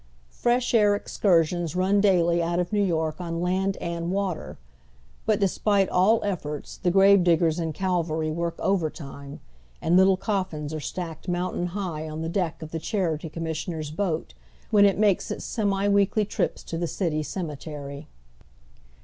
Fresh air excursions run daily out of New York on land and water ; but despite all efforts the grave diggers in Calvary work over time, and little coffins are stacked oy Google THE COMMON HEKD. 167 mountain high on the deck of the Charity Commiseiou ers' boat when it makes its semi weekly trips to the city cemetery.